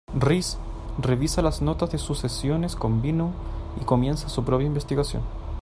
Rice revisa las notas de sus sesiones con Bynum y comienza su propia investigación.